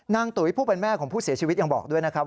ตุ๋ยผู้เป็นแม่ของผู้เสียชีวิตยังบอกด้วยนะครับ